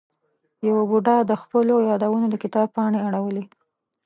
یوه بوډا د خپلو یادونو د کتاب پاڼې اړولې.